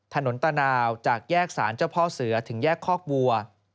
ถนนตะนาวจากแยกสารเจ้าพ่อเสือถึงแยกคอกบัว